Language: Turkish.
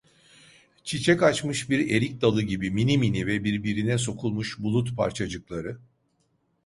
Çiçek açmış bir erik dalı gibi minimini ve birbirine sokulmuş bulut parçacıkları…